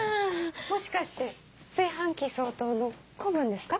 もしかして炊飯器総統の子分ですか？